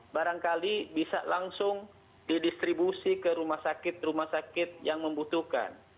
barangkali bisa langsung didistribusi ke rumah sakit rumah sakit yang membutuhkan